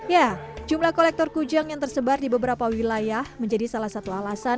ya jumlah kolektor kujang yang tersebar di beberapa wilayah menjadi salah satu alasan